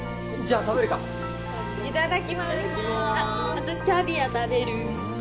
私キャビア食べる。